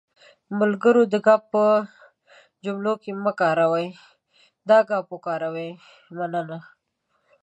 ملګرو دا گ په جملو کې مه کاروٸ، دا ګ وکاروٸ.مننه